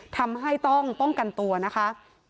ทำให้ต้องป้องกันตัวนะคะ